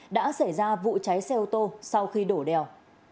đã xảy ra vụ cháy xe ô tô sau khi đổ đèo